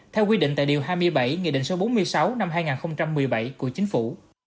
theo quy định tại điều hai mươi bảy nghị định số bốn mươi sáu năm hai nghìn một mươi bảy của chính phủ